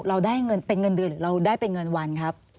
เราได้เงินเป็นเงินเดือนหรือเราได้เป็นเงินวันครับ